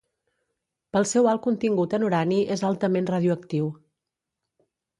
Pel seu alt contingut en urani és altament radioactiu.